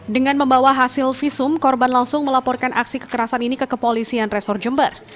dengan membawa hasil visum korban langsung melaporkan aksi kekerasan ini ke kepolisian resor jember